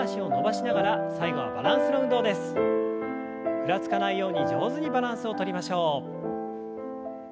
ふらつかないように上手にバランスをとりましょう。